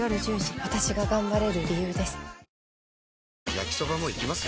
焼きソバもいきます？